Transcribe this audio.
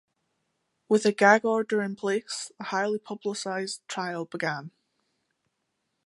With a gag order in place, the highly publicized trial began.